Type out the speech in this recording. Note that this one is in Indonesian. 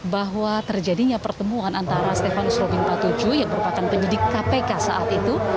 bahwa terjadinya pertemuan antara stefanus robin patuju yang merupakan penyidik kpk saat itu